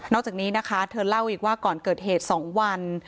จากนี้นะคะเธอเล่าอีกว่าก่อนเกิดเหตุ๒วัน